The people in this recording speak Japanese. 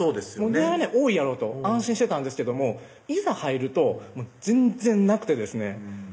出会いは多いやろうと安心してたんですけどもいざ入ると全然なくてですね